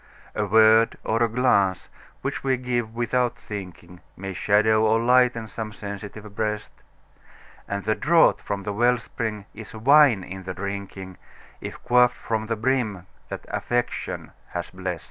A word or a glance which we give "without thinking", May shadow or lighten some sensitive breast; And the draught from the well spring is wine in the drinking, If quaffed from the brim that Affection has blest.